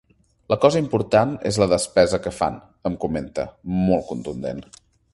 La cosa important és la despesa que fan, em comenta, molt contundent.